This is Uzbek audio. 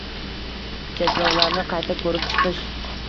Cheklovlarni qayta ko‘rib chiqish